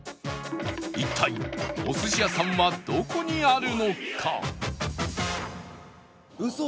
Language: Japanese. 一体お寿司屋さんはどこにあるのか？